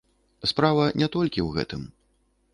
Справа не толькі ў гэтым.